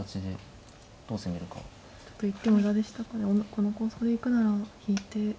この構想でいくなら引いて。